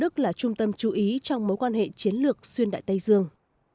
tâm tâm chú ý trong mối quan hệ chiến lược xuyên đại tây dương